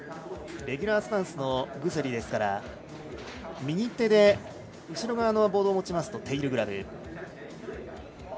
レギュラースタンスのグゼリですから右手で後ろ側のボードを持つとテールグラブ。